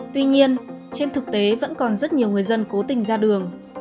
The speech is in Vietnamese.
tuy nhiên trên thực tế vẫn còn rất nhiều người dân cố tình ra đường